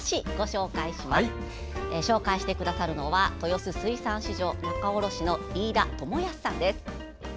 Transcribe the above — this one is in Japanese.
紹介してくださるのは豊洲水産市場仲卸の飯田知誉さんです。